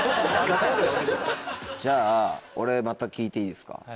じゃあ俺また聞いていいですか？